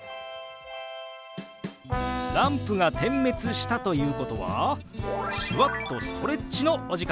ランプが点滅したということは手話っとストレッチのお時間です！